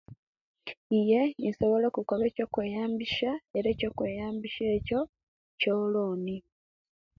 Iyee nsobola okukala ekyookweyambisiya ere ekyekweyambisiya ekyo kyoloni